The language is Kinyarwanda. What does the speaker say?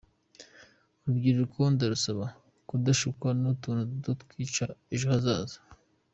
urubyiruko ndarusaba kudashukwa n’utuntu doto twica ejo hazaza.